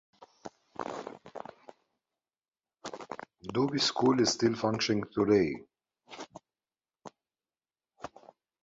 Dube's school is still functioning today.